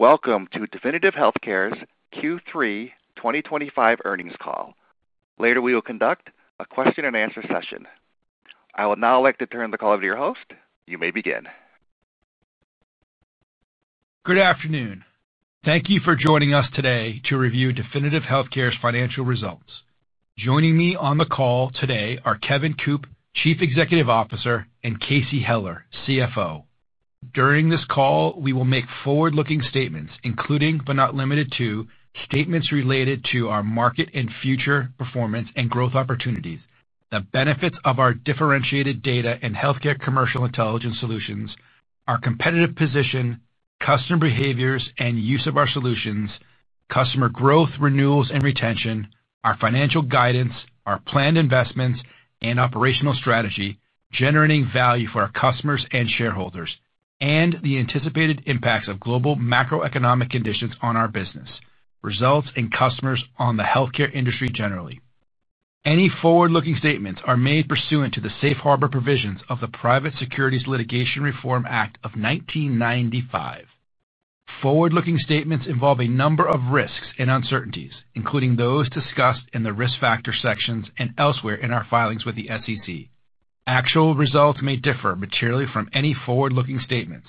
Welcome to Definitive Healthcare's Q3 2025 earnings call. Later, we will conduct a question-and-answer session. I will now like to turn the call over to your host. You may begin. Good afternoon. Thank you for joining us today to review Definitive Healthcare's financial results. Joining me on the call today are Kevin Coop, Chief Executive Officer, and Casey Heller, CFO. During this call, we will make forward-looking statements, including but not limited to statements related to our market and future performance and growth opportunities, the benefits of our differentiated data and healthcare commercial intelligence solutions, our competitive position, customer behaviors and use of our solutions, customer growth, renewals, and retention, our financial guidance, our planned investments, and operational strategy, generating value for our customers and shareholders, and the anticipated impacts of global macroeconomic conditions on our business, results, and customers on the healthcare industry generally. Any forward-looking statements are made pursuant to the safe harbor provisions of the Private Securities Litigation Reform Act of 1995. Forward-looking statements involve a number of risks and uncertainties, including those discussed in the risk factor sections and elsewhere in our filings with the SEC. Actual results may differ materially from any forward-looking statements.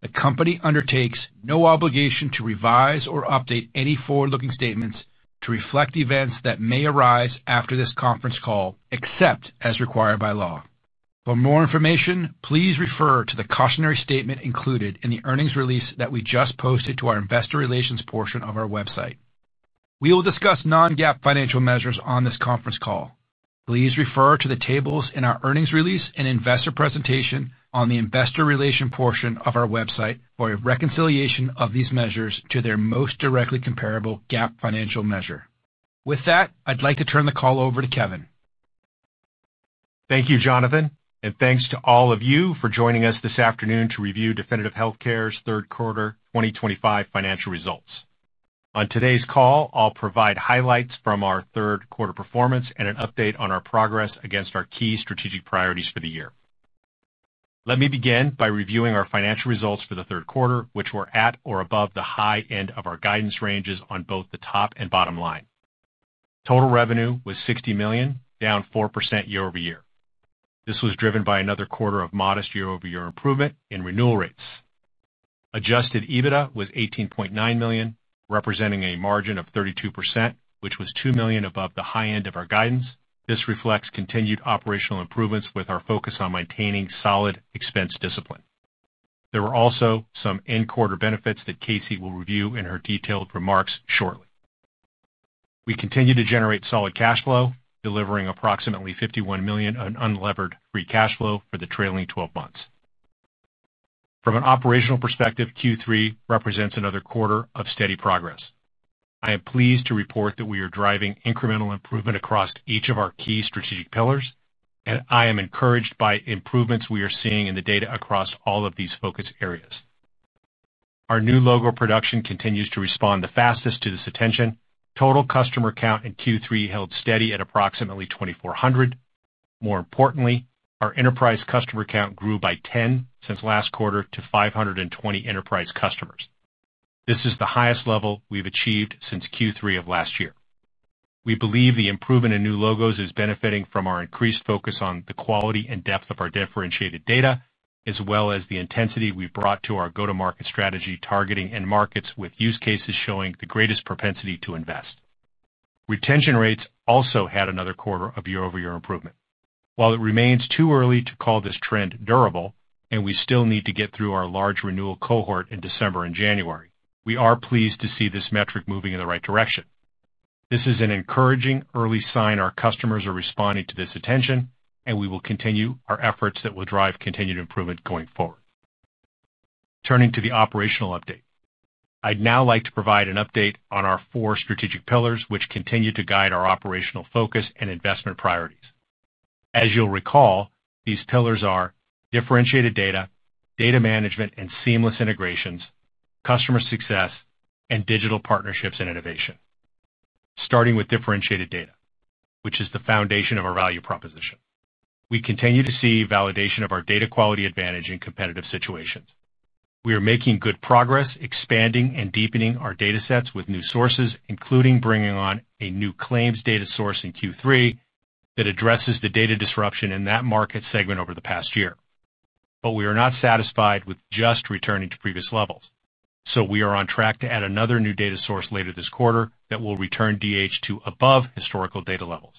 The company undertakes no obligation to revise or update any forward-looking statements to reflect events that may arise after this conference call, except as required by law. For more information, please refer to the cautionary statement included in the earnings release that we just posted to our investor relations portion of our website. We will discuss non-GAAP financial measures on this conference call. Please refer to the tables in our earnings release and investor presentation on the investor relations portion of our website for a reconciliation of these measures to their most directly comparable GAAP financial measure. With that, I'd like to turn the call over to Kevin. Thank you, Jonathan. Thank you to all of you for joining us this afternoon to review Definitive Healthcare's third quarter 2025 financial results. On today's call, I'll provide highlights from our third quarter performance and an update on our progress against our key strategic priorities for the year. Let me begin by reviewing our financial results for the third quarter, which were at or above the high end of our guidance ranges on both the top and bottom line. Total revenue was $60 million, down 4% year-over-year. This was driven by another quarter of modest year-over-year improvement in renewal rates. Adjusted EBITDA was $18.9 million, representing a margin of 32%, which was $2 million above the high end of our guidance. This reflects continued operational improvements with our focus on maintaining solid expense discipline. There were also some end quarter benefits that Casey will review in her detailed remarks shortly. We continue to generate solid cash flow, delivering approximately $51 million in unlevered free cash flow for the trailing 12 months. From an operational perspective, Q3 represents another quarter of steady progress. I am pleased to report that we are driving incremental improvement across each of our key strategic pillars, and I am encouraged by improvements we are seeing in the data across all of these focus areas. Our new logo production continues to respond the fastest to this attention. Total customer count in Q3 held steady at approximately 2,400. More importantly, our enterprise customer count grew by 10 since last quarter to 520 enterprise customers. This is the highest level we have achieved since Q3 of last year. We believe the improvement in new logos is benefiting from our increased focus on the quality and depth of our differentiated data, as well as the intensity we've brought to our go-to-market strategy, targeting end markets with use cases showing the greatest propensity to invest. Retention rates also had another quarter of year-over-year improvement. While it remains too early to call this trend durable, and we still need to get through our large renewal cohort in December and January, we are pleased to see this metric moving in the right direction. This is an encouraging early sign our customers are responding to this attention, and we will continue our efforts that will drive continued improvement going forward. Turning to the operational update, I'd now like to provide an update on our four strategic pillars, which continue to guide our operational focus and investment priorities. As you'll recall, these pillars are differentiated data, data management and seamless integrations, customer success, and digital partnerships and innovation. Starting with differentiated data, which is the foundation of our value proposition. We continue to see validation of our data quality advantage in competitive situations. We are making good progress expanding and deepening our data sets with new sources, including bringing on a new claims data source in Q3 that addresses the data disruption in that market segment over the past year. We are not satisfied with just returning to previous levels. We are on track to add another new data source later this quarter that will return Definitive Healthcare to above historical data levels.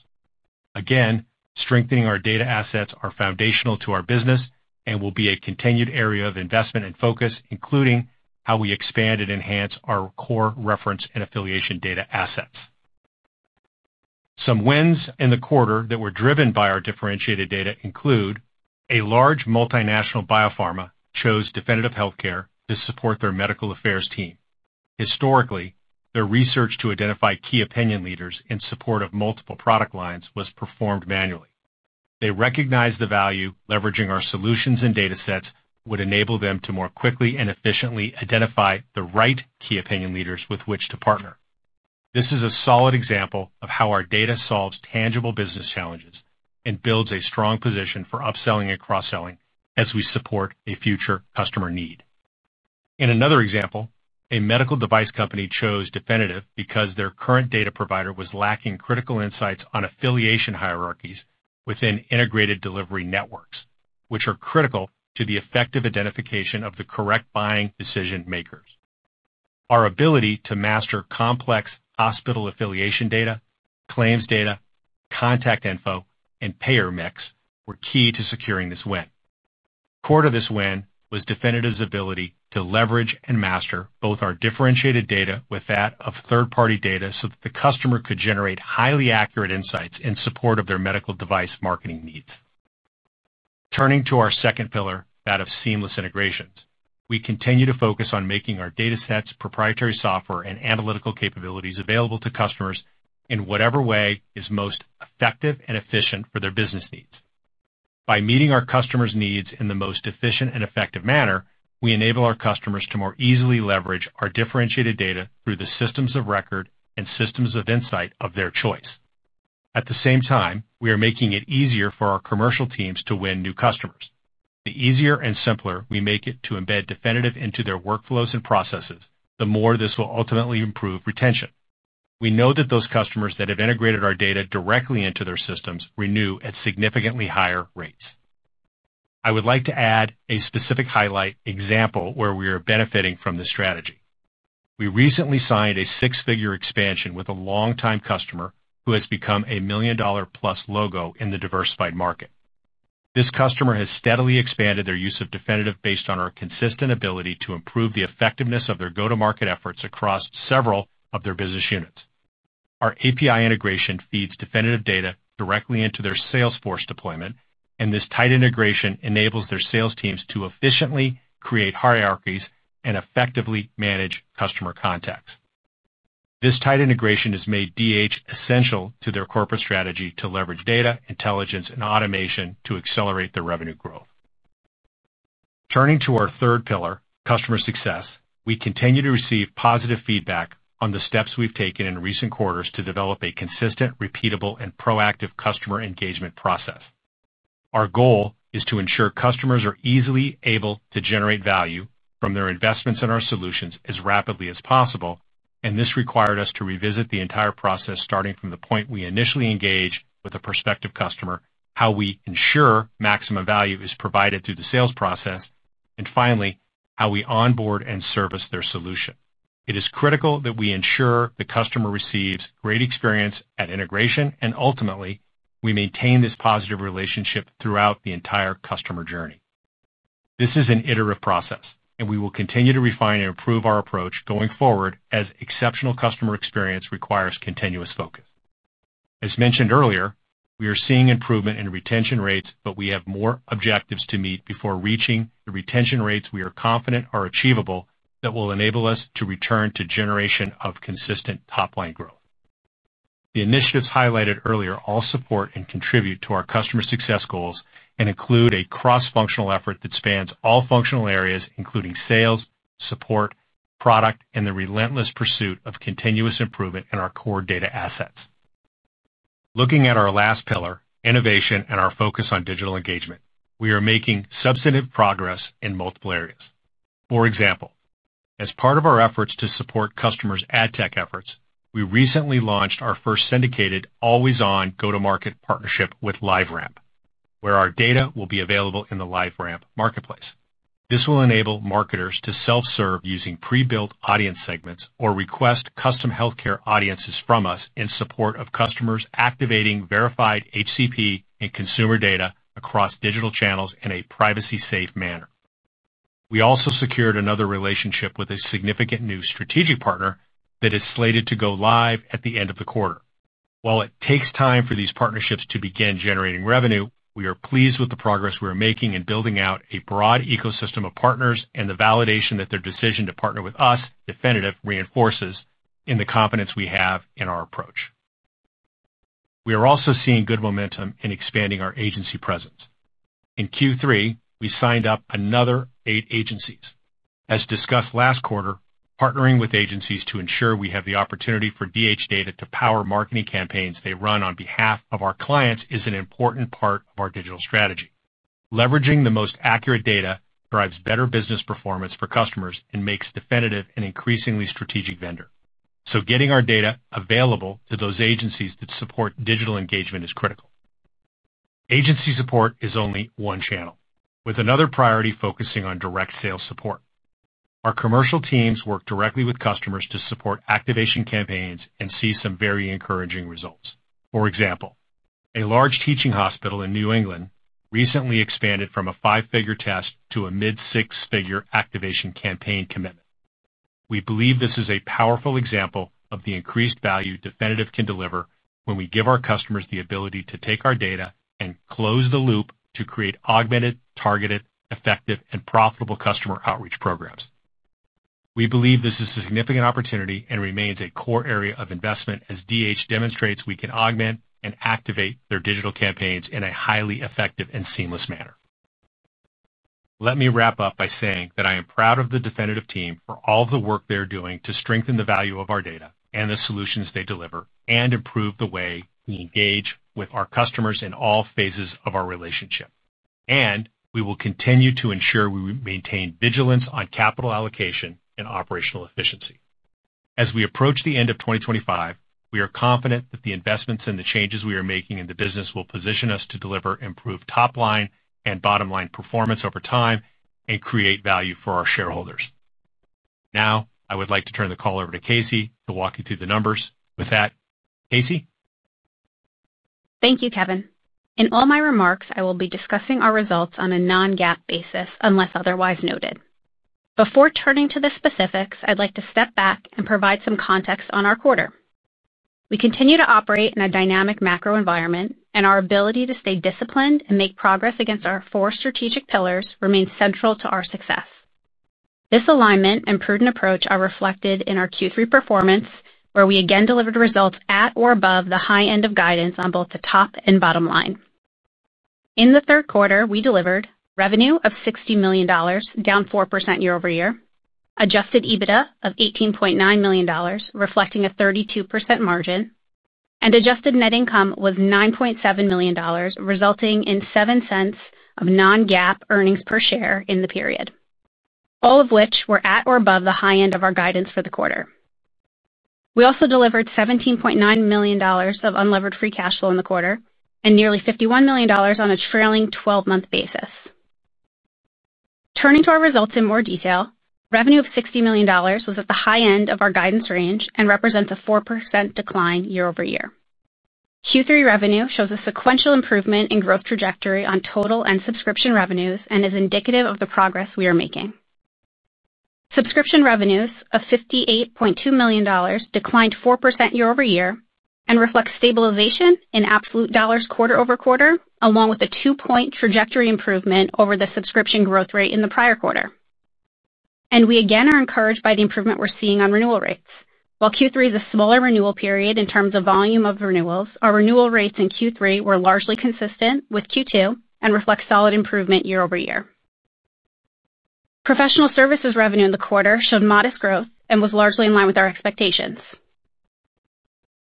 Again, strengthening our data assets are foundational to our business and will be a continued area of investment and focus, including how we expand and enhance our core reference and affiliation data assets. Some wins in the quarter that were driven by our differentiated data include a large multinational biopharma chose Definitive Healthcare to support their medical affairs team. Historically, their research to identify key opinion leaders in support of multiple product lines was performed manually. They recognized the value leveraging our solutions and data sets would enable them to more quickly and efficiently identify the right key opinion leaders with which to partner. This is a solid example of how our data solves tangible business challenges and builds a strong position for upselling and cross-selling as we support a future customer need. In another example, a medical device company chose Definitive because their current data provider was lacking critical insights on affiliation hierarchies within integrated delivery networks, which are critical to the effective identification of the correct buying decision-makers. Our ability to master complex hospital affiliation data, claims data, contact info, and payer mix were key to securing this win. Core to this win was Definitive Healthcare's ability to leverage and master both our differentiated data with that of third-party data so that the customer could generate highly accurate insights in support of their medical device marketing needs. Turning to our second pillar, that of seamless integrations, we continue to focus on making our data sets, proprietary software, and analytical capabilities available to customers in whatever way is most effective and efficient for their business needs. By meeting our customers' needs in the most efficient and effective manner, we enable our customers to more easily leverage our differentiated data through the systems of record and systems of insight of their choice. At the same time, we are making it easier for our commercial teams to win new customers. The easier and simpler we make it to embed Definitive into their workflows and processes, the more this will ultimately improve retention. We know that those customers that have integrated our data directly into their systems renew at significantly higher rates. I would like to add a specific highlight example where we are benefiting from this strategy. We recently signed a six-figure expansion with a longtime customer who has become a million-dollar-plus logo in the diversified market. This customer has steadily expanded their use of Definitive based on our consistent ability to improve the effectiveness of their go-to-market efforts across several of their business units. Our API integration feeds Definitive data directly into their Salesforce deployment, and this tight integration enables their sales teams to efficiently create hierarchies and effectively manage customer contacts. This tight integration has made Definitive Healthcare essential to their corporate strategy to leverage data, intelligence, and automation to accelerate their revenue growth. Turning to our third pillar, customer success, we continue to receive positive feedback on the steps we've taken in recent quarters to develop a consistent, repeatable, and proactive customer engagement process. Our goal is to ensure customers are easily able to generate value from their investments in our solutions as rapidly as possible, and this required us to revisit the entire process starting from the point we initially engage with a prospective customer, how we ensure maximum value is provided through the sales process, and finally, how we onboard and service their solution. It is critical that we ensure the customer receives great experience at integration, and ultimately, we maintain this positive relationship throughout the entire customer journey. This is an iterative process, and we will continue to refine and improve our approach going forward as exceptional customer experience requires continuous focus. As mentioned earlier, we are seeing improvement in retention rates, but we have more objectives to meet before reaching the retention rates we are confident are achievable that will enable us to return to generation of consistent top-line growth. The initiatives highlighted earlier all support and contribute to our customer success goals and include a cross-functional effort that spans all functional areas, including sales, support, product, and the relentless pursuit of continuous improvement in our core data assets. Looking at our last pillar, innovation and our focus on digital engagement, we are making substantive progress in multiple areas. For example, as part of our efforts to support customers' ad tech efforts, we recently launched our first syndicated AlwaysOn go-to-market partnership with LiveRamp, where our data will be available in the LiveRamp marketplace. This will enable marketers to self-serve using pre-built audience segments or request custom healthcare audiences from us in support of customers activating verified HCP and consumer data across digital channels in a privacy-safe manner. We also secured another relationship with a significant new strategic partner that is slated to go live at the end of the quarter. While it takes time for these partnerships to begin generating revenue, we are pleased with the progress we are making in building out a broad ecosystem of partners and the validation that their decision to partner with us, Definitive, reinforces in the confidence we have in our approach. We are also seeing good momentum in expanding our agency presence. In Q3, we signed up another eight agencies. As discussed last quarter, partnering with agencies to ensure we have the opportunity for DH data to power marketing campaigns they run on behalf of our clients is an important part of our digital strategy. Leveraging the most accurate data drives better business performance for customers and makes Definitive an increasingly strategic vendor. Getting our data available to those agencies that support digital engagement is critical. Agency support is only one channel, with another priority focusing on direct sales support. Our commercial teams work directly with customers to support activation campaigns and see some very encouraging results. For example, a large teaching hospital in New England recently expanded from a five-figure test to a mid-six-figure activation campaign commitment. We believe this is a powerful example of the increased value Definitive Healthcare can deliver when we give our customers the ability to take our data and close the loop to create augmented, targeted, effective, and profitable customer outreach programs. We believe this is a significant opportunity and remains a core area of investment as Definitive Healthcare demonstrates we can augment and activate their digital campaigns in a highly effective and seamless manner. Let me wrap up by saying that I am proud of the Definitive Healthcare team for all of the work they're doing to strengthen the value of our data and the solutions they deliver and improve the way we engage with our customers in all phases of our relationship. We will continue to ensure we maintain vigilance on capital allocation and operational efficiency. As we approach the end of 2025, we are confident that the investments and the changes we are making in the business will position us to deliver improved top-line and bottom-line performance over time and create value for our shareholders. Now, I would like to turn the call over to Casey to walk you through the numbers. With that, Casey? Thank you, Kevin. In all my remarks, I will be discussing our results on a non-GAAP basis unless otherwise noted. Before turning to the specifics, I'd like to step back and provide some context on our quarter. We continue to operate in a dynamic macro environment, and our ability to stay disciplined and make progress against our four strategic pillars remains central to our success. This alignment and prudent approach are reflected in our Q3 performance, where we again delivered results at or above the high end of guidance on both the top and bottom line. In the third quarter, we delivered revenue of $60 million, down 4% year-over-year, Adjusted EBITDA of $18.9 million, reflecting a 32% margin, and adjusted net income was $9.7 million, resulting in $0.07 of non-GAAP earnings per share in the period. All of which were at or above the high end of our guidance for the quarter. We also delivered $17.9 million of unlevered free cash flow in the quarter and nearly $51 million on a trailing 12-month basis. Turning to our results in more detail, revenue of $60 million was at the high end of our guidance range and represents a 4% decline year-over-year. Q3 revenue shows a sequential improvement in growth trajectory on total and subscription revenues and is indicative of the progress we are making. Subscription revenues of $58.2 million declined 4% year-over-year and reflect stabilization in absolute dollars quarter over quarter, along with a two-point trajectory improvement over the subscription growth rate in the prior quarter. We again are encouraged by the improvement we're seeing on renewal rates. While Q3 is a smaller renewal period in terms of volume of renewals, our renewal rates in Q3 were largely consistent with Q2 and reflect solid improvement year-over-year. Professional services revenue in the quarter showed modest growth and was largely in line with our expectations.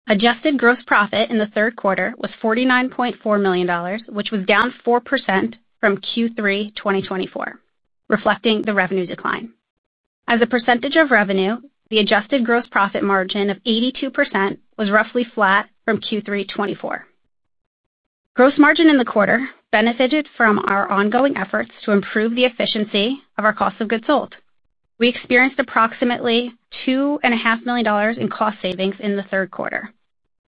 Adjusted gross profit in the third quarter was $49.4 million, which was down 4% from Q3 2024, reflecting the revenue decline. As a percentage of revenue, the adjusted gross profit margin of 82% was roughly flat from Q3 2024. Gross margin in the quarter benefited from our ongoing efforts to improve the efficiency of our cost of goods sold. We experienced approximately $2.5 million in cost savings in the third quarter.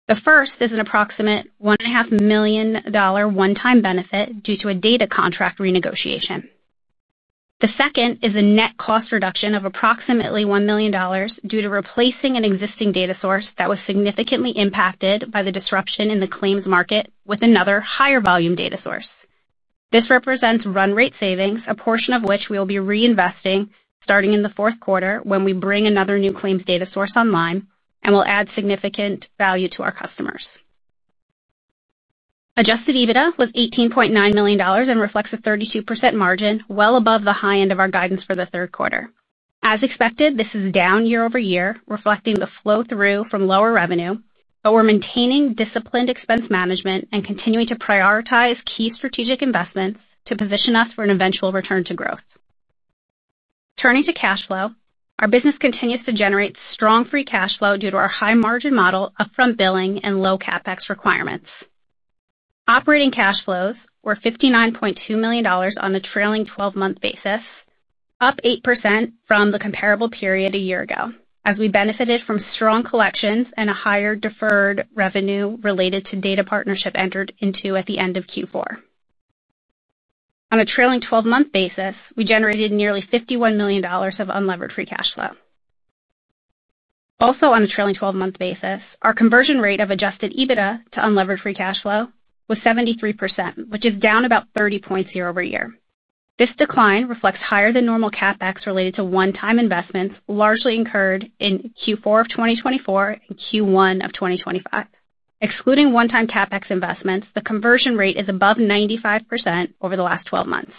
The first is an approximate $1.5 million one-time benefit due to a data contract renegotiation. The second is a net cost reduction of approximately $1 million due to replacing an existing data source that was significantly impacted by the disruption in the claims market with another higher volume data source. This represents run rate savings, a portion of which we will be reinvesting starting in the fourth quarter when we bring another new claims data source online and will add significant value to our customers. Adjusted EBITDA was $18.9 million and reflects a 32% margin, well above the high end of our guidance for the third quarter. As expected, this is down year-over-year, reflecting the flow-through from lower revenue, but we're maintaining disciplined expense management and continuing to prioritize key strategic investments to position us for an eventual return to growth. Turning to cash flow, our business continues to generate strong free cash flow due to our high-margin model, upfront billing, and low CapEx requirements. Operating cash flows were $59.2 million on a trailing 12-month basis, up 8% from the comparable period a year ago, as we benefited from strong collections and a higher deferred revenue related to data partnership entered into at the end of Q4. On a trailing 12-month basis, we generated nearly $51 million of unlevered free cash flow. Also, on a trailing 12-month basis, our conversion rate of Adjusted EBITDA to unlevered free cash flow was 73%, which is down about 30 percentage points year-over-year. This decline reflects higher than normal CapEx related to one-time investments largely incurred in Q4 of 2024 and Q1 of 2025. Excluding one-time CapEx investments, the conversion rate is above 95% over the last 12 months.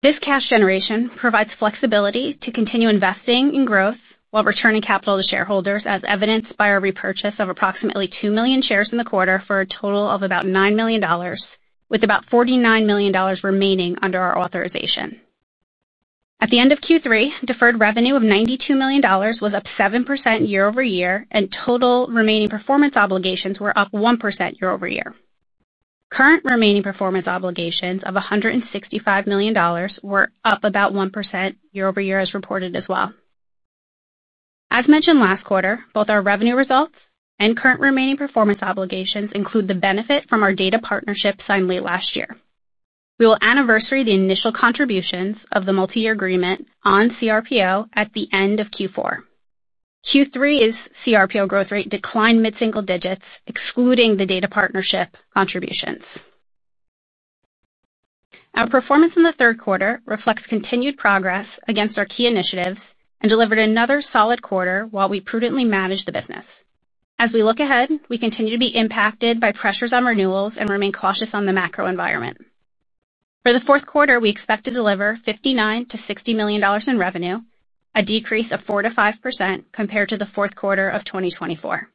This cash generation provides flexibility to continue investing in growth while returning capital to shareholders, as evidenced by our repurchase of approximately 2 million shares in the quarter for a total of about $9 million, with about $49 million remaining under our authorization. At the end of Q3, deferred revenue of $92 million was up 7% year-over-year, and total remaining performance obligations were up 1% year-over-year. Current remaining performance obligations of $165 million were up about 1% year-over-year, as reported as well. As mentioned last quarter, both our revenue results and current remaining performance obligations include the benefit from our data partnership signed late last year. We will anniversary the initial contributions of the multi-year agreement on CRPO at the end of Q4. Q3's CRPO growth rate declined mid-single digits, excluding the data partnership contributions. Our performance in the third quarter reflects continued progress against our key initiatives and delivered another solid quarter while we prudently managed the business. As we look ahead, we continue to be impacted by pressures on renewals and remain cautious on the macro environment. For the fourth quarter, we expect to deliver $59 million-$60 million in revenue, a decrease of 4%-5% compared to the fourth quarter of 2024.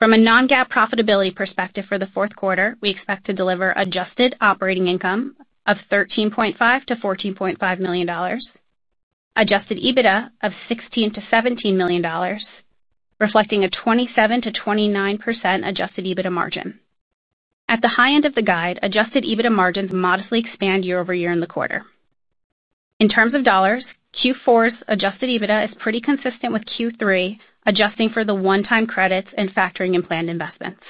From a non-GAAP profitability perspective for the fourth quarter, we expect to deliver adjusted operating income of $13.5 million-$14.5 million. Adjusted EBITDA of $16 million-$17 million, reflecting a 27%-29% Adjusted EBITDA margin. At the high end of the guide, Adjusted EBITDA margins modestly expand year-over-year in the quarter. In terms of dollars, Q4's Adjusted EBITDA is pretty consistent with Q3, adjusting for the one-time credits and factoring in planned investments.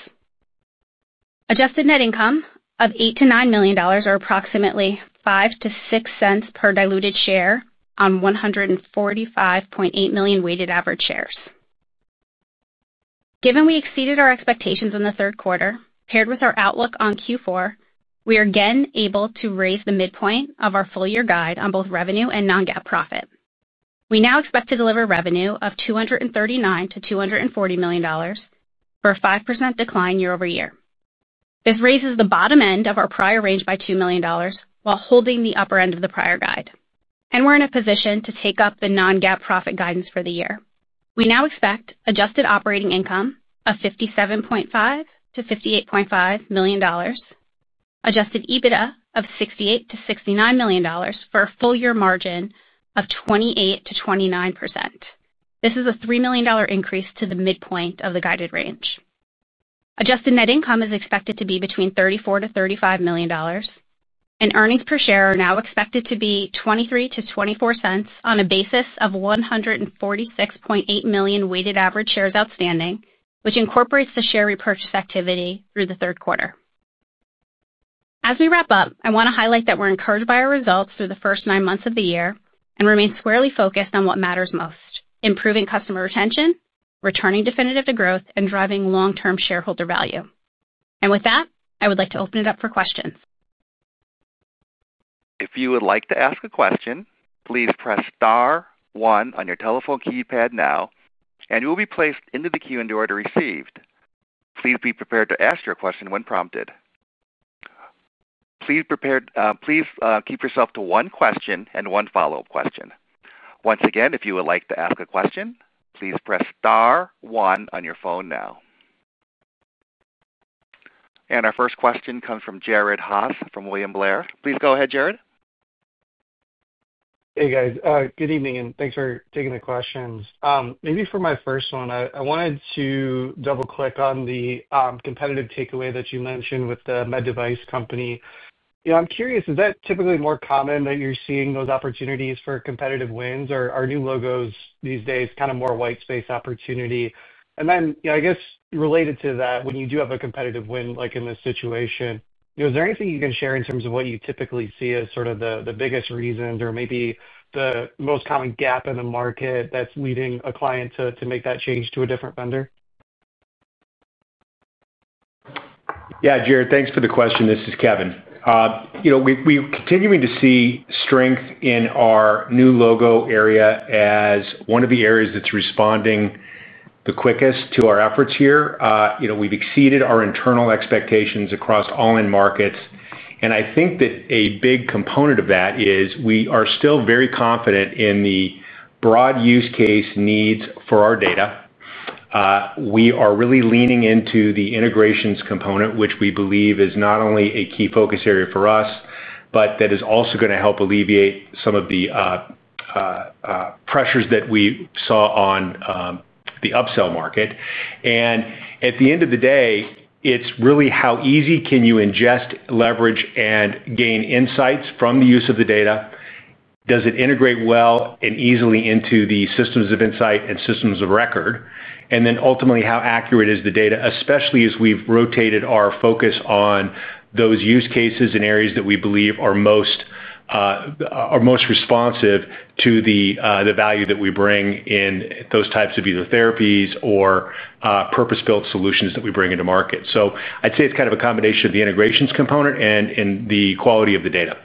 Adjusted net income of $8 million-$9 million or approximately $0.05-$0.06 per diluted share on 145.8 million weighted average shares. Given we exceeded our expectations in the third quarter, paired with our outlook on Q4, we are again able to raise the midpoint of our full-year guide on both revenue and non-GAAP profit. We now expect to deliver revenue of $239 million-$240 million for a 5% decline year-over-year. This raises the bottom end of our prior range by $2 million while holding the upper end of the prior guide. We're in a position to take up the non-GAAP profit guidance for the year. We now expect adjusted operating income of $57.5 million-$58.5 million. Adjusted EBITDA of $68 million-$69 million for a full-year margin of 28%-29%. This is a $3 million increase to the midpoint of the guided range. Adjusted net income is expected to be between $34 million-$35 million. Earnings per share are now expected to be $0.23-$0.24 on a basis of 146.8 million weighted average shares outstanding, which incorporates the share repurchase activity through the third quarter. As we wrap up, I want to highlight that we're encouraged by our results through the first nine months of the year and remain squarely focused on what matters most: improving customer retention, returning Definitive Healthcare to growth, and driving long-term shareholder value. With that, I would like to open it up for questions. If you would like to ask a question, please press star one on your telephone keypad now, and you will be placed into the queue and prompted to proceed. Please be prepared to ask your question when prompted. Please keep yourself to one question and one follow-up question. Once again, if you would like to ask a question, please press star one on your phone now. Our first question comes from Jared Haase from William Blair. Please go ahead, Jared. Hey, guys. Good evening, and thanks for taking the questions. Maybe for my first one, I wanted to double-click on the competitive takeaway that you mentioned with the med device company. I'm curious, is that typically more common that you're seeing those opportunities for competitive wins? Are new logos these days kind of more white space opportunity? I guess, related to that, when you do have a competitive win like in this situation, is there anything you can share in terms of what you typically see as sort of the biggest reasons or maybe the most common gap in the market that's leading a client to make that change to a different vendor? Yeah, Jared, thanks for the question. This is Kevin. We are continuing to see strength in our new logo area as one of the areas that's responding the quickest to our efforts here. We've exceeded our internal expectations across all end markets. I think that a big component of that is we are still very confident in the broad use case needs for our data. We are really leaning into the integrations component, which we believe is not only a key focus area for us, but that is also going to help alleviate some of the pressures that we saw on the upsell market. At the end of the day, it's really how easy can you ingest, leverage, and gain insights from the use of the data? Does it integrate well and easily into the systems of insight and systems of record? Ultimately, how accurate is the data, especially as we've rotated our focus on those use cases and areas that we believe are most responsive to the value that we bring in those types of either therapies or purpose-built solutions that we bring into market? I'd say it's kind of a combination of the integrations component and the quality of the data.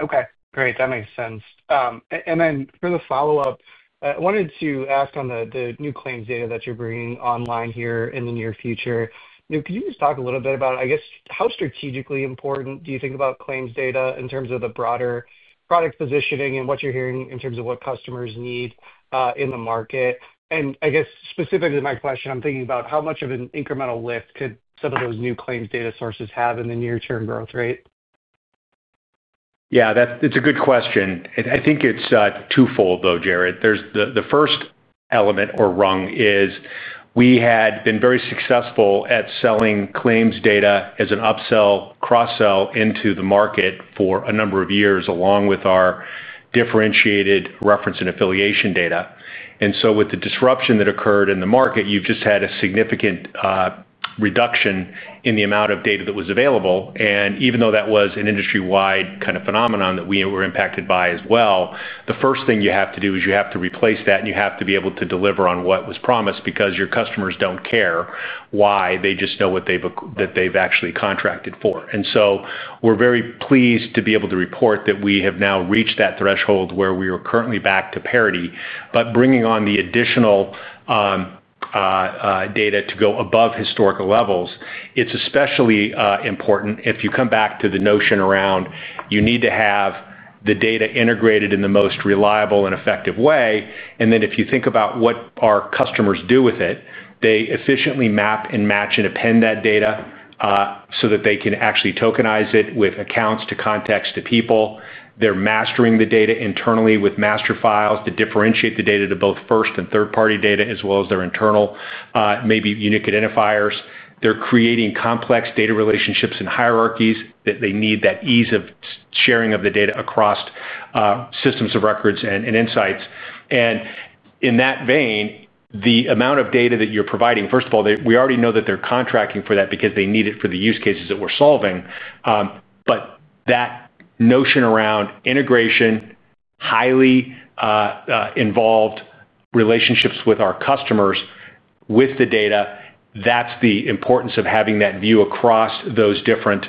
Okay. Great. That makes sense. For the follow-up, I wanted to ask on the new claims data that you're bringing online here in the near future. Could you just talk a little bit about, I guess, how strategically important do you think about claims data in terms of the broader product positioning and what you're hearing in terms of what customers need in the market? I guess specifically to my question, I'm thinking about how much of an incremental lift could some of those new claims data sources have in the near-term growth rate? Yeah, it's a good question. I think it's twofold, though, Jared. The first element, or rung, is we had been very successful at selling claims data as an upsell, cross-sell into the market for a number of years along with our differentiated reference and affiliation data. With the disruption that occurred in the market, you've just had a significant reduction in the amount of data that was available. Even though that was an industry-wide kind of phenomenon that we were impacted by as well, the first thing you have to do is you have to replace that, and you have to be able to deliver on what was promised because your customers do not care why. They just know what they have actually contracted for. We are very pleased to be able to report that we have now reached that threshold where we are currently back to parity. Bringing on the additional data to go above historical levels is especially important if you come back to the notion around needing to have the data integrated in the most reliable and effective way. If you think about what our customers do with it, they efficiently map and match and append that data so that they can actually tokenize it with accounts to contacts to people. They are mastering the data internally with master files to differentiate the data to both first and third-party data, as well as their internal maybe unique identifiers. They are creating complex data relationships and hierarchies that they need, that ease of sharing of the data across systems of records and insights. In that vein, the amount of data that you are providing, first of all, we already know that they are contracting for that because they need it for the use cases that we are solving. That notion around integration, highly involved relationships with our customers with the data, that is the importance of having that view across those different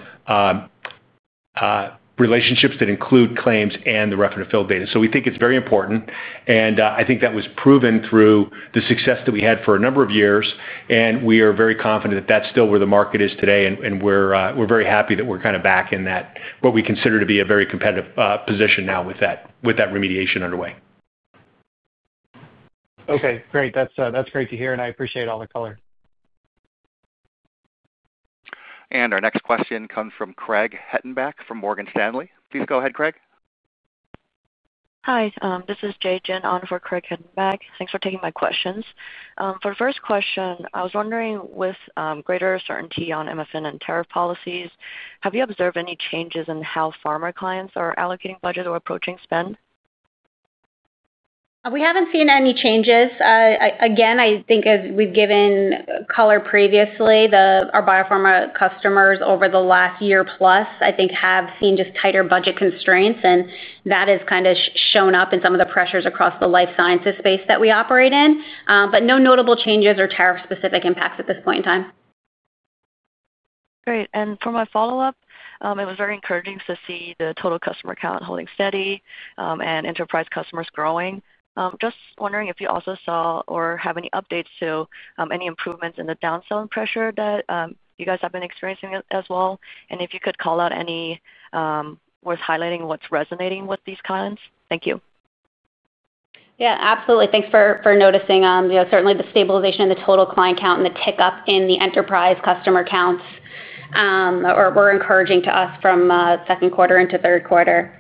relationships that include claims and the reference field data. We think it's very important. I think that was proven through the success that we had for a number of years. We are very confident that that's still where the market is today. We're very happy that we're kind of back in what we consider to be a very competitive position now with that remediation underway. Okay. Great. That's great to hear. I appreciate all the color. Our next question comes from Craig Hettenbach from Morgan Stanley. Please go ahead, Craig. Hi. This is Jay Jin on for Craig Hettenbach. Thanks for taking my questions. For the first question, I was wondering, with greater certainty on MFN and tariff policies, have you observed any changes in how pharma clients are allocating budget or approaching spend? We haven't seen any changes. Again, I think as we've given color previously, our biopharma customers over the last year plus, I think, have seen just tighter budget constraints. That has kind of shown up in some of the pressures across the life sciences space that we operate in. No notable changes or tariff-specific impacts at this point in time. Great. For my follow-up, it was very encouraging to see the total customer count holding steady and enterprise customers growing. Just wondering if you also saw or have any updates to any improvements in the downselling pressure that you guys have been experiencing as well. If you could call out any, worth highlighting what's resonating with these clients. Thank you. Yeah. Absolutely. Thanks for noticing. Certainly, the stabilization in the total client count and the tick-up in the enterprise customer counts were encouraging to us from second quarter into third quarter.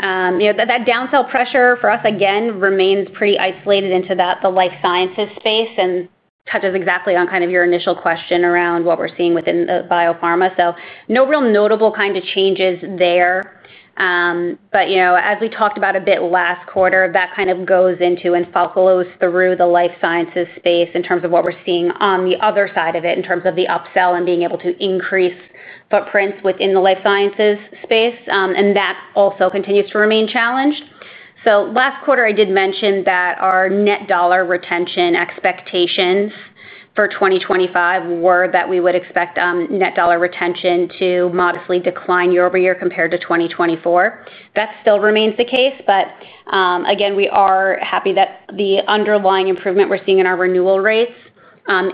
That downsell pressure for us, again, remains pretty isolated into the life sciences space and touches exactly on kind of your initial question around what we're seeing within the biopharma. No real notable kind of changes there. As we talked about a bit last quarter, that kind of goes into and follows through the life sciences space in terms of what we're seeing on the other side of it in terms of the upsell and being able to increase footprints within the life sciences space. That also continues to remain challenged. Last quarter, I did mention that our net dollar retention expectations for 2025 were that we would expect net dollar retention to modestly decline year-over-year compared to 2024. That still remains the case. We are happy that the underlying improvement we're seeing in our renewal rates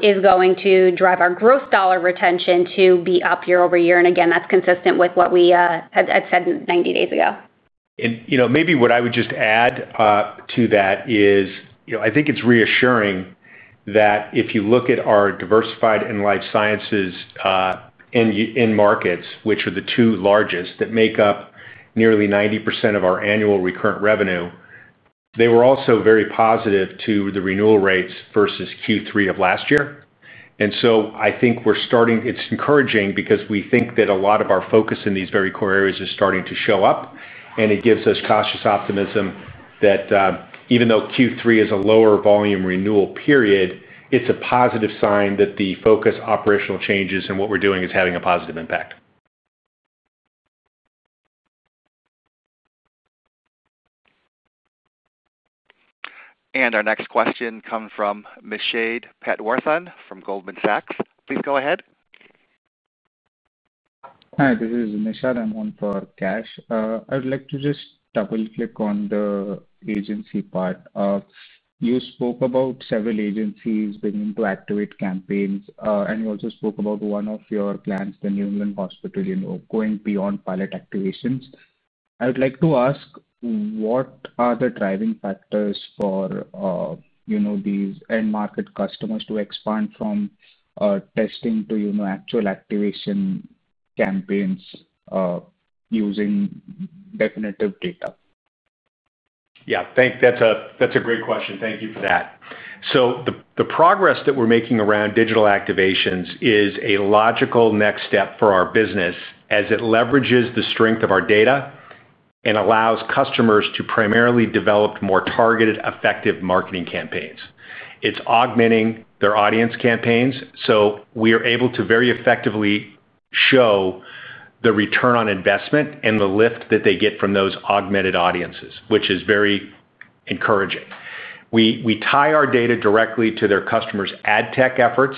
is going to drive our gross dollar retention to be up year-over-year. That is consistent with what we had said 90 days ago. Maybe what I would just add to that is I think it's reassuring that if you look at our diversified and life sciences in markets, which are the two largest that make up nearly 90% of our annual recurrent revenue, they were also very positive to the renewal rates versus Q3 of last year. I think we're starting—it's encouraging because we think that a lot of our focus in these very core areas is starting to show up. It gives us cautious optimism that even though Q3 is a lower volume renewal period, it's a positive sign that the focused operational changes and what we're doing is having a positive impact. Our next question comes from Ms. Shade Pat Worthen from Goldman Sachs. Please go ahead. Hi. This is Nishad on for Cash. I would like to just double-click on the agency part. You spoke about several agencies beginning to activate campaigns. You also spoke about one of your plans, the New England Hospital, going beyond pilot activations. I would like to ask, what are the driving factors for these end market customers to expand from testing to actual activation campaigns using Definitive data? Yeah. That's a great question. Thank you for that. The progress that we're making around digital activations is a logical next step for our business as it leverages the strength of our data and allows customers to primarily develop more targeted, effective marketing campaigns. It's augmenting their audience campaigns. We are able to very effectively show the return on investment and the lift that they get from those augmented audiences, which is very encouraging. We tie our data directly to their customers' ad tech efforts.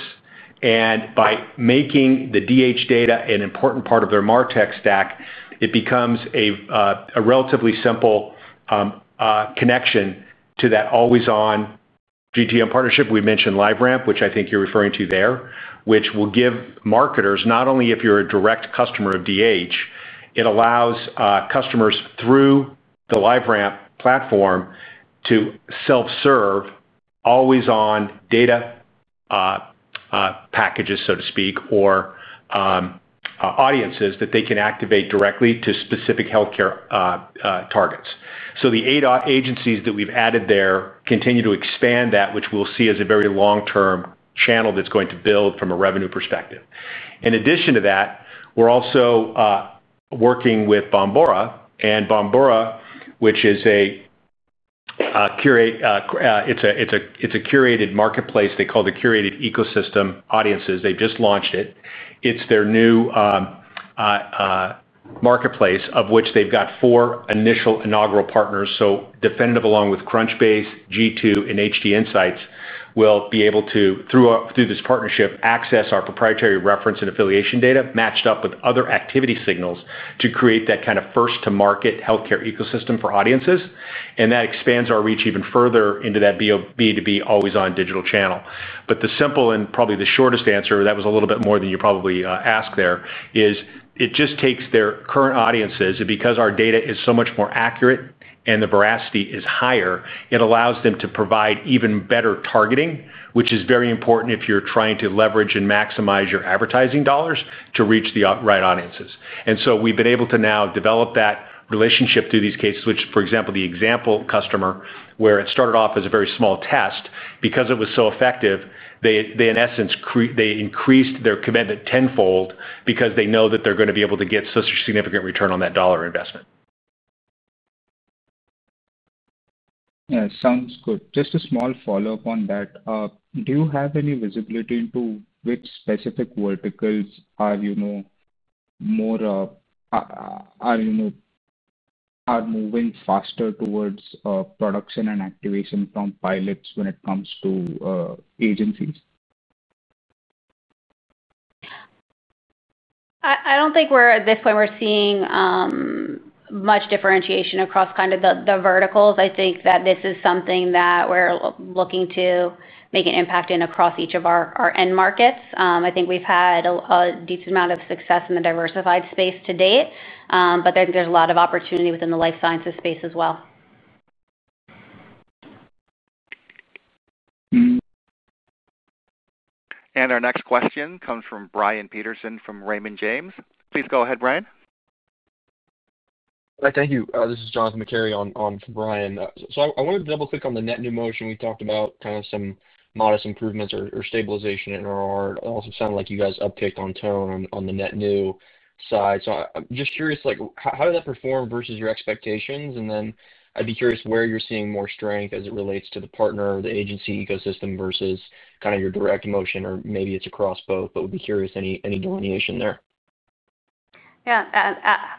By making the DH data an important part of their martech stack, it becomes a relatively simple connection to that always-on GTM partnership. We've mentioned LiveRamp, which I think you're referring to there, which will give marketers, not only if you're a direct customer of DH, it allows customers through the LiveRamp platform to self-serve always-on data packages, so to speak, or. Audiences that they can activate directly to specific healthcare targets. The eight agencies that we've added there continue to expand that, which we'll see as a very long-term channel that's going to build from a revenue perspective. In addition to that, we're also working with Bombora. Bombora, which is a curated marketplace, they call it the curated ecosystem audiences. They just launched it. It's their new marketplace of which they've got four initial inaugural partners. Definitive, along with Crunchbase, G2, and HD Insights, will be able to, through this partnership, access our proprietary reference and affiliation data matched up with other activity signals to create that kind of first-to-market healthcare ecosystem for audiences. That expands our reach even further into that B2B always-on digital channel. The simple and probably the shortest answer, that was a little bit more than you probably asked there, is it just takes their current audiences. Because our data is so much more accurate and the veracity is higher, it allows them to provide even better targeting, which is very important if you're trying to leverage and maximize your advertising dollars to reach the right audiences. We've been able to now develop that relationship through these cases, which, for example, the example customer, where it started off as a very small test, because it was so effective, they, in essence, increased their commitment tenfold because they know that they're going to be able to get such a significant return on that dollar investment. Yeah. Sounds good. Just a small follow-up on that. Do you have any visibility into which specific verticals are more. Moving faster towards production and activation from pilots when it comes to. Agencies? I don't think we're at this point, we're seeing much differentiation across kind of the verticals. I think that this is something that we're looking to make an impact in across each of our end markets. I think we've had a decent amount of success in the diversified space to date. I think there's a lot of opportunity within the life sciences space as well. Our next question comes from Brian Peterson from Raymond James. Please go ahead, Brian. Hi. Thank you. This is Johnathan McCary on Brian. I wanted to double-click on the net new motion we talked about, kind of some modest improvements or stabilization in our art. It also sounded like you guys upticked on tone on the net new side. I'm just curious, how did that perform versus your expectations? I'd be curious where you're seeing more strength as it relates to the partner or the agency ecosystem versus kind of your direct motion, or maybe it's across both. We'd be curious any delineation there. Yeah.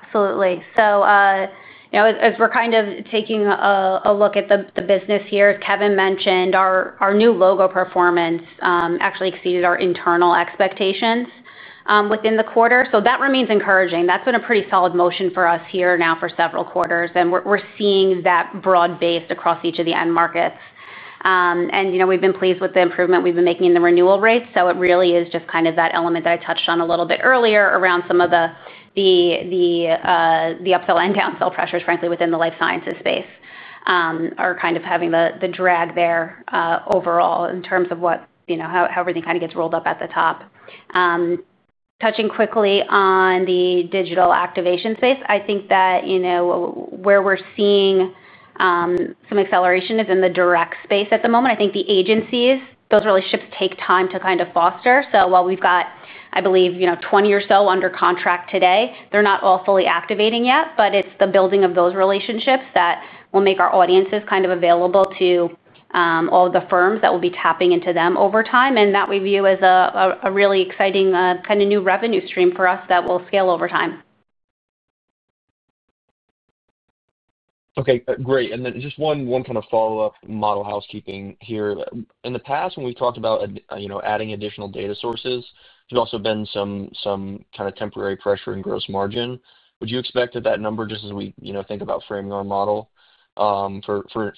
Absolutely. As we're kind of taking a look at the business here, as Kevin mentioned, our new logo performance actually exceeded our internal expectations within the quarter. That remains encouraging. That's been a pretty solid motion for us here now for several quarters. We're seeing that broad-based across each of the end markets. We've been pleased with the improvement we've been making in the renewal rates. It really is just kind of that element that I touched on a little bit earlier around some of the. The upsell and downsell pressures, frankly, within the life sciences space are kind of having the drag there overall in terms of how everything kind of gets rolled up at the top. Touching quickly on the digital activation space, I think that where we're seeing some acceleration is in the direct space at the moment. I think the agencies, those relationships take time to kind of foster. So while we've got, I believe, 20 or so under contract today, they're not all fully activating yet. But it's the building of those relationships that will make our audiences kind of available to all of the firms that will be tapping into them over time. And that we view as a really exciting kind of new revenue stream for us that will scale over time. Okay. Great. And then just one kind of follow-up model housekeeping here. In the past, when we talked about adding additional data sources, there's also been some kind of temporary pressure in gross margin. Would you expect that that number, just as we think about framing our model for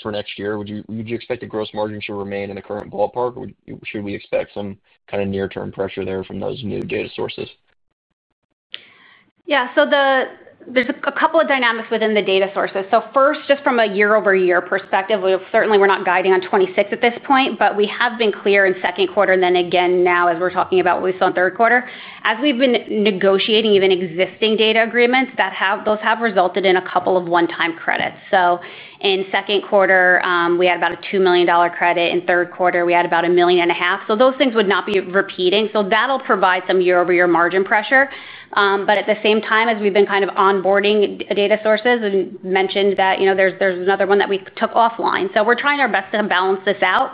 next year, would you expect the gross margin to remain in the current ballpark? Or should we expect some kind of near-term pressure there from those new data sources? Yeah. There's a couple of dynamics within the data sources. First, just from a year-over-year perspective, certainly, we're not guiding on 2026 at this point. We have been clear in second quarter, and then again, now, as we're talking about what we saw in third quarter, as we've been negotiating even existing data agreements, those have resulted in a couple of one-time credits. In second quarter, we had about a $2 million credit. In third quarter, we had about $1.5 million. Those things would not be repeating. That will provide some year-over-year margin pressure. At the same time, as we've been kind of onboarding data sources and mentioned that there's another one that we took offline, we're trying our best to balance this out.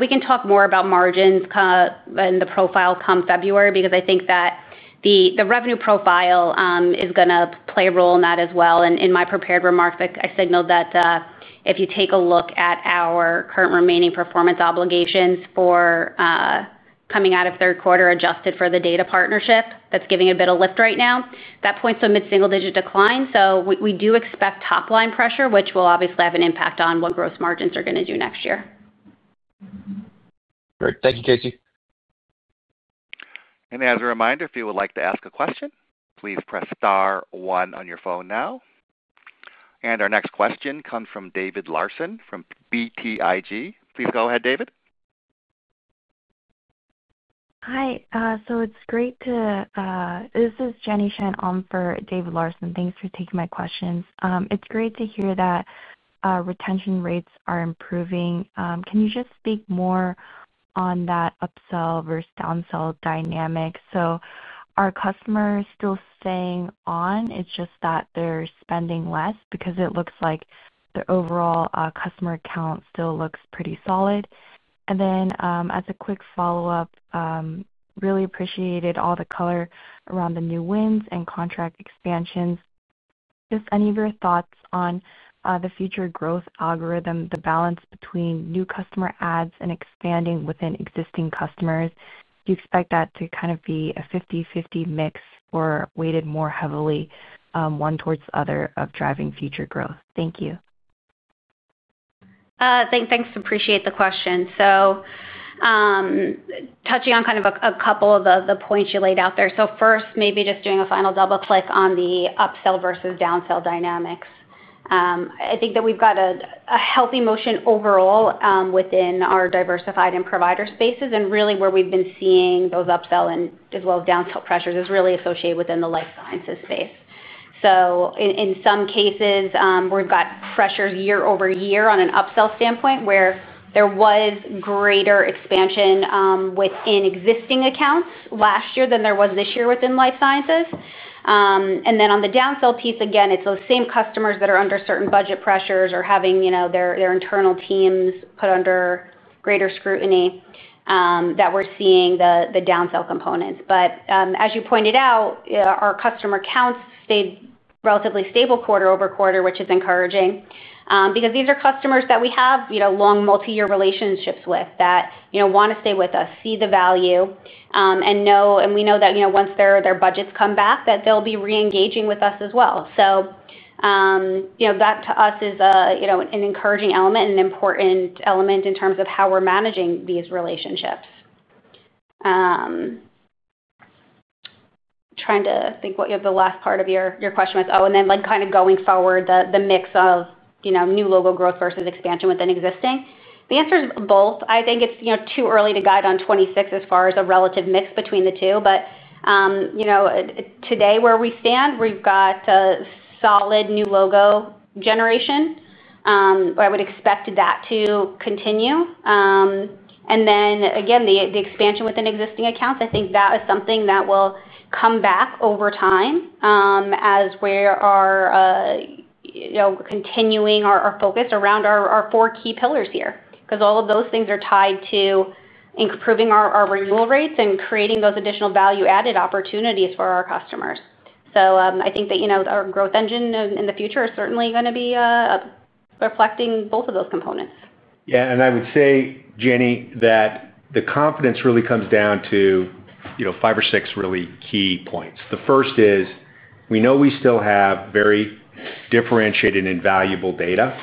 We can talk more about margins and the profile come February because I think that the revenue profile is going to play a role in that as well. In my prepared remarks, I signaled that if you take a look at our current remaining performance obligations for coming out of third quarter adjusted for the data partnership, that's giving a bit of lift right now. That points to a mid-single-digit decline. We do expect top-line pressure, which will obviously have an impact on what gross margins are going to do next year. Great. Thank you, Casey. As a reminder, if you would like to ask a question, please press star one on your phone now. Our next question comes from David Larson from BTIG. Please go ahead, David. Hi. It's great to. This is Jenny Shen on for David Larson. Thanks for taking my questions. It's great to hear that retention rates are improving. Can you just speak more on that upsell versus downsell dynamic? Are customers still staying on? It's just that they're spending less because it looks like the overall customer count still looks pretty solid. As a quick follow-up, I really appreciated all the color around the new wins and contract expansions. Just any of your thoughts on the future growth algorithm, the balance between new customer adds and expanding within existing customers? Do you expect that to kind of be a 50/50 mix or weighted more heavily one towards the other of driving future growth? Thank you. Thanks. Appreciate the question. Touching on kind of a couple of the points you laid out there. First, maybe just doing a final double-click on the upsell versus downsell dynamics. I think that we've got a healthy motion overall within our diversified and provider spaces. Really, where we've been seeing those upsell and as well as downsell pressures is really associated within the life sciences space. In some cases, we've got pressures year-over-year on an upsell standpoint where there was greater expansion within existing accounts last year than there was this year within life sciences. Then on the downsell piece, again, it is those same customers that are under certain budget pressures or having their internal teams put under greater scrutiny that we are seeing the downsell components. As you pointed out, our customer counts stayed relatively stable quarter over quarter, which is encouraging because these are customers that we have long multi-year relationships with that want to stay with us, see the value, and we know that once their budgets come back, they will be re-engaging with us as well. That to us is an encouraging element and an important element in terms of how we are managing these relationships. Trying to think what the last part of your question was. Oh, and then kind of going forward, the mix of new logo growth versus expansion within existing. The answer is both. I think it's too early to guide on 2026 as far as a relative mix between the two. Today, where we stand, we've got a solid new logo generation. I would expect that to continue. Again, the expansion within existing accounts, I think that is something that will come back over time. As we are continuing our focus around our four key pillars here because all of those things are tied to improving our renewal rates and creating those additional value-added opportunities for our customers. I think that our growth engine in the future is certainly going to be reflecting both of those components. Yeah. I would say, Jenny, that the confidence really comes down to five or six really key points. The first is we know we still have very differentiated and valuable data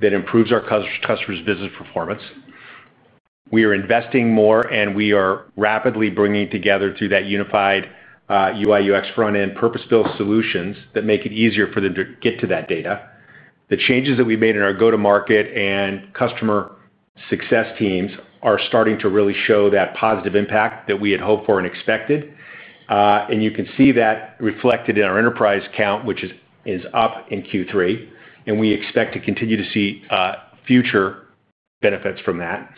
that improves our customers' business performance. We are investing more, and we are rapidly bringing together through that unified UI/UX front-end purpose-built solutions that make it easier for them to get to that data. The changes that we have made in our go-to-market and customer success teams are starting to really show that positive impact that we had hoped for and expected. You can see that reflected in our enterprise count, which is up in Q3. We expect to continue to see future benefits from that.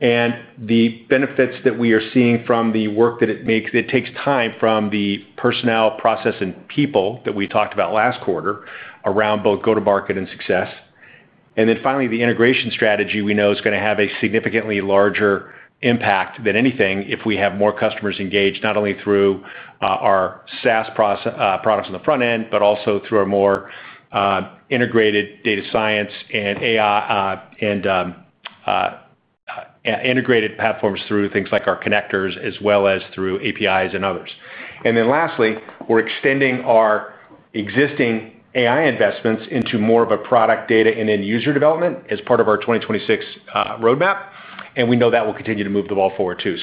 The benefits that we are seeing from the work that it makes, it takes time from the personnel, process, and people that we talked about last quarter around both go-to-market and success. Finally, the integration strategy we know is going to have a significantly larger impact than anything if we have more customers engaged, not only through. Our SaaS products on the front end, but also through our more integrated data science and AI integrated platforms through things like our connectors, as well as through APIs and others. Lastly, we're extending our existing AI investments into more of a product data and end-user development as part of our 2026 roadmap. We know that will continue to move the ball forward too.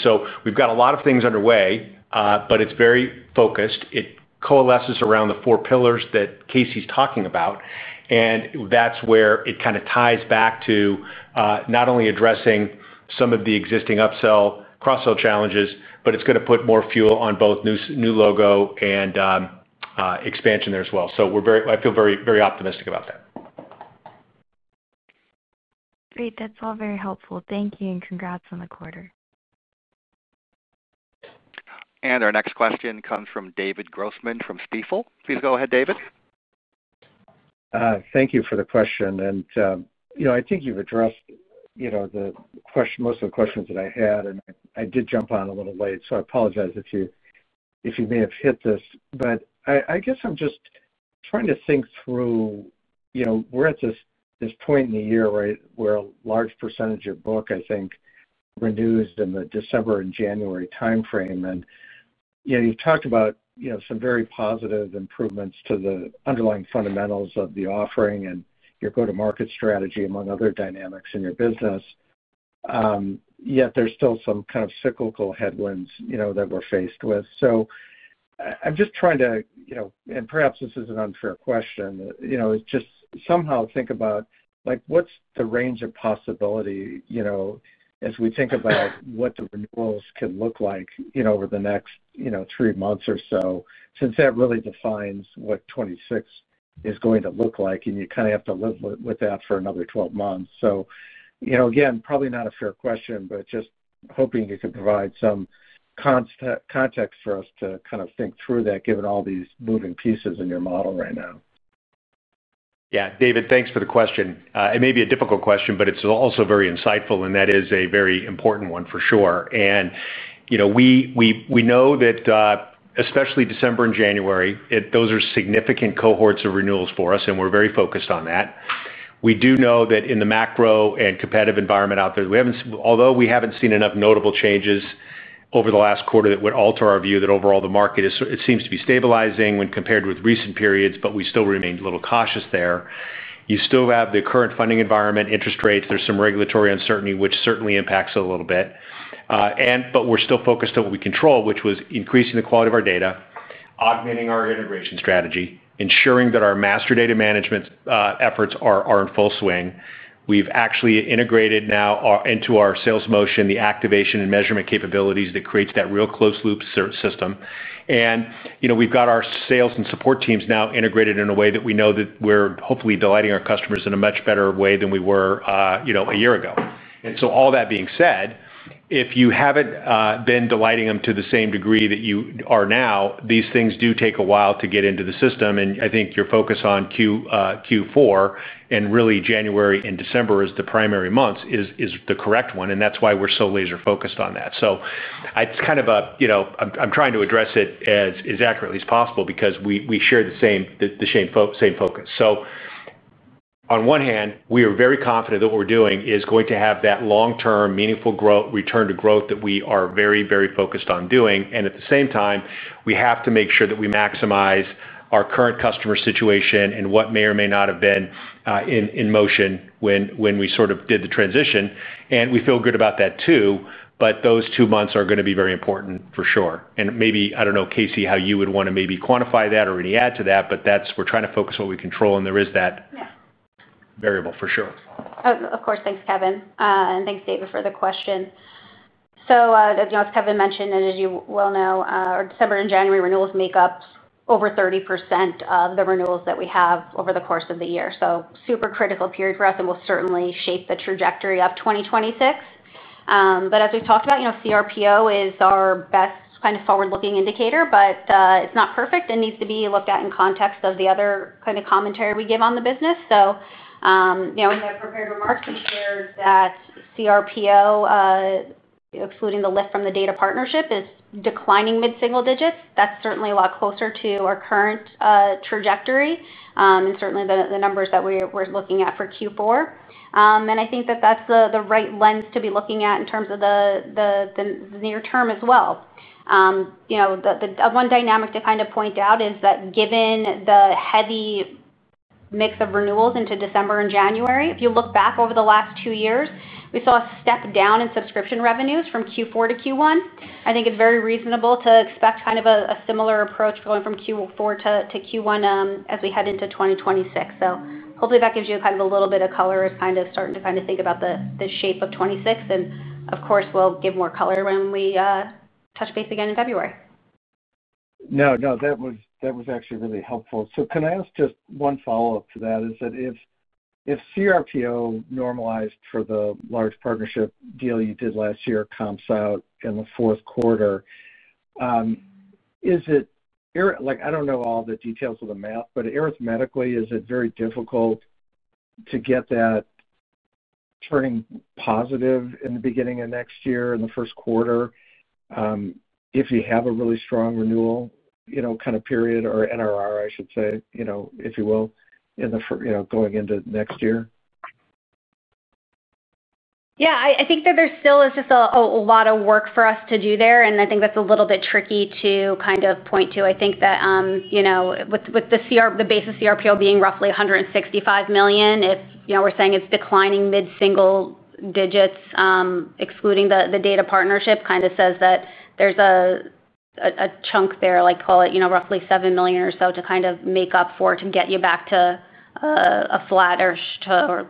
We've got a lot of things underway, but it's very focused. It coalesces around the four pillars that Casey's talking about. That's where it kind of ties back to not only addressing some of the existing upsell cross-sell challenges, but it's going to put more fuel on both new logo and expansion there as well. I feel very optimistic about that. Great. That's all very helpful. Thank you. Congrats on the quarter. Our next question comes from David Grossman from Stifel. Please go ahead, David. Thank you for the question. I think you've addressed most of the questions that I had. I did jump on a little late, so I apologize if you may have hit this. I guess I'm just trying to think through. We're at this point in the year, right, where a large percentage of book, I think, renews in the December and January timeframe. You've talked about some very positive improvements to the underlying fundamentals of the offering and your go-to-market strategy, among other dynamics in your business. Yet there's still some kind of cyclical headwinds that we're faced with. I'm just trying to—and perhaps this is an unfair question—just somehow think about what's the range of possibility. As we think about what the renewals could look like over the next three months or so, since that really defines what 2026 is going to look like, and you kind of have to live with that for another 12 months. Again, probably not a fair question, but just hoping you could provide some context for us to kind of think through that, given all these moving pieces in your model right now. Yeah. David, thanks for the question. It may be a difficult question, but it's also very insightful, and that is a very important one for sure. We know that especially December and January, those are significant cohorts of renewals for us, and we're very focused on that. We do know that in the macro and competitive environment out there, although we haven't seen enough notable changes over the last quarter that would alter our view that overall the market, it seems to be stabilizing when compared with recent periods, we still remain a little cautious there. You still have the current funding environment, interest rates. There's some regulatory uncertainty, which certainly impacts a little bit. We are still focused on what we control, which was increasing the quality of our data, augmenting our integration strategy, ensuring that our master data management efforts are in full swing. We've actually integrated now into our sales motion the activation and measurement capabilities that creates that real close loop system. We have our sales and support teams now integrated in a way that we know we are hopefully delighting our customers in a much better way than we were a year ago. All that being said, if you have not been delighting them to the same degree that you are now, these things do take a while to get into the system. I think your focus on Q4 and really January and December as the primary months is the correct one. That is why we are so laser-focused on that. It is kind of a—I am trying to address it as accurately as possible because we share the same focus. On one hand, we are very confident that what we are doing is going to have that long-term, meaningful return to growth that we are very, very focused on doing. At the same time, we have to make sure that we maximize our current customer situation and what may or may not have been in motion when we sort of did the transition. We feel good about that too. Those two months are going to be very important for sure. Maybe, I do not know, Casey, how you would want to maybe quantify that or add to that, but we are trying to focus on what we control. There is that variable for sure. Of course. Thanks, Kevin. Thanks, David, for the question. As Kevin mentioned, and as you well know, our December and January renewals make up over 30% of the renewals that we have over the course of the year. Super critical period for us and will certainly shape the trajectory of 2026. As we've talked about, CRPO is our best kind of forward-looking indicator, but it's not perfect. It needs to be looked at in context of the other kind of commentary we give on the business. In our prepared remarks, we shared that CRPO, excluding the lift from the data partnership, is declining mid-single digits. That's certainly a lot closer to our current trajectory and certainly the numbers that we're looking at for Q4. I think that that's the right lens to be looking at in terms of the near-term as well. One dynamic to kind of point out is that given the heavy mix of renewals into December and January, if you look back over the last two years, we saw a step down in subscription revenues from Q4 to Q1. I think it's very reasonable to expect kind of a similar approach going from Q4 to Q1 as we head into 2026. Hopefully, that gives you kind of a little bit of color as kind of starting to kind of think about the shape of 2026. Of course, we'll give more color when we touch base again in February. No, no. That was actually really helpful. Can I ask just one follow-up to that? Is that if CRPO normalized for the large partnership deal you did last year comps out in the fourth quarter, I don't know all the details of the math, but arithmetically, is it very difficult to get that turning positive in the beginning of next year in the first quarter if you have a really strong renewal kind of period or NRR, I should say, if you will, going into next year? Yeah. I think that there still is just a lot of work for us to do there. I think that's a little bit tricky to kind of point to. I think that with the base of CRPO being roughly $165 million, if we're saying it's declining mid-single digits, excluding the data partnership, kind of says that there's a chunk there, call it roughly $7 million or so, to kind of make up for to get you back to a flat or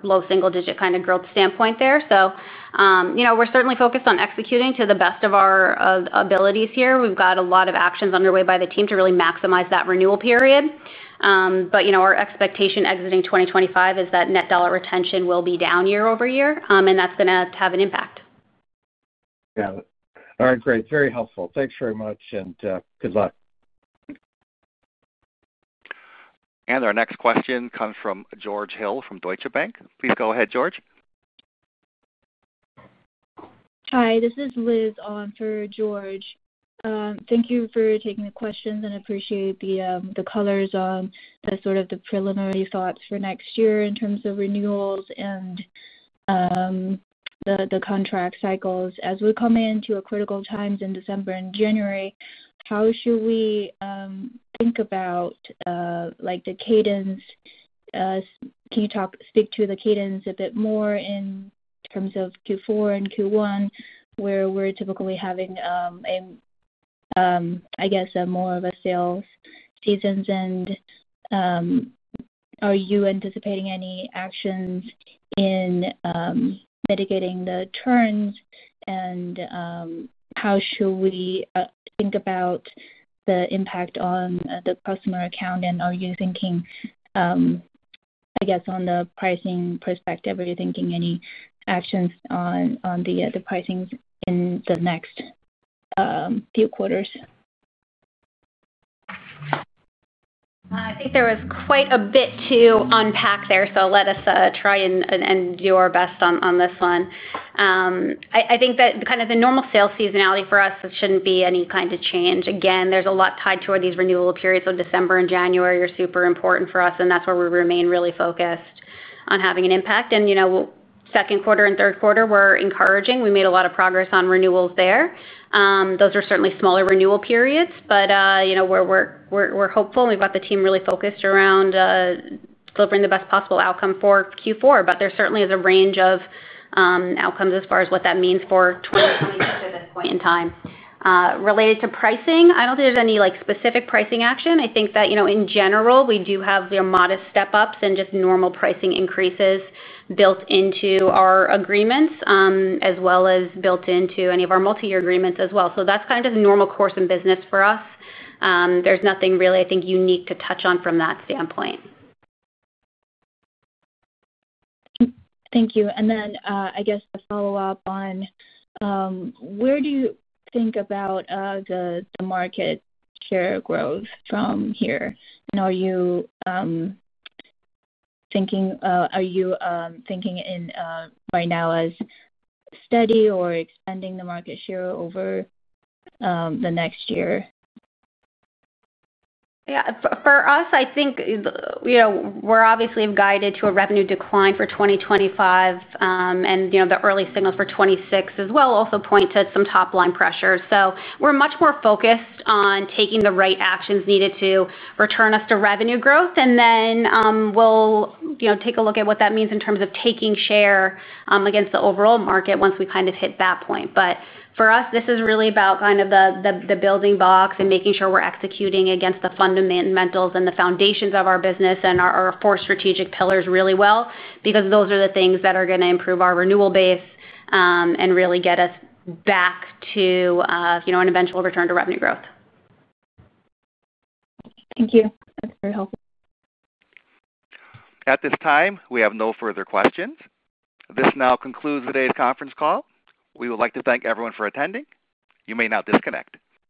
low single-digit kind of growth standpoint there. We're certainly focused on executing to the best of our abilities here. We've got a lot of actions underway by the team to really maximize that renewal period. Our expectation exiting 2025 is that net dollar retention will be down year-over-year, and that's going to have an impact. Yeah. All right. Great. Very helpful. Thanks very much. Good luck. Our next question comes from George Hill from Deutsche Bank. Please go ahead, George. Hi. This is Liz on for George. Thank you for taking the questions. I appreciate the colors on sort of the preliminary thoughts for next year in terms of renewals and the contract cycles. As we're coming into critical times in December and January, how should we think about the cadence? Can you speak to the cadence a bit more in terms of Q4 and Q1, where we're typically having, I guess, more of a sales season? Are you anticipating any actions in mitigating the churns? How should we think about the impact on the customer account? Are you thinking, I guess, on the pricing perspective? Are you thinking any actions on the pricing in the next few quarters? I think there was quite a bit to unpack there, so let us try and do our best on this one. I think that kind of the normal sales seasonality for us should not be any kind of change. Again, there is a lot tied toward these renewal periods. December and January are super important for us, and that is where we remain really focused on having an impact. Second quarter and third quarter were encouraging. We made a lot of progress on renewals there. Those were certainly smaller renewal periods, but we are hopeful. We have got the team really focused around delivering the best possible outcome for Q4. There certainly is a range of outcomes as far as what that means for 2026 at this point in time. Related to pricing, I do not think there is any specific pricing action. I think that in general, we do have modest step-ups and just normal pricing increases built into our agreements, as well as built into any of our multi-year agreements as well. That is kind of just normal course of business for us. There is nothing really, I think, unique to touch on from that standpoint. Thank you. I guess a follow-up on where do you think about the market share growth from here? Are you thinking right now as steady or expanding the market share over the next year? Yeah. For us, I think we are obviously guided to a revenue decline for 2025, and the early signals for 2026 as well also point to some top-line pressure. We are much more focused on taking the right actions needed to return us to revenue growth. We will take a look at what that means in terms of taking share against the overall market once we kind of hit that point. For us, this is really about the building blocks and making sure we're executing against the fundamentals and the foundations of our business and our four strategic pillars really well because those are the things that are going to improve our renewal base and really get us back to an eventual return to revenue growth. Thank you. That's very helpful. At this time, we have no further questions. This now concludes today's conference call. We would like to thank everyone for attending. You may now disconnect.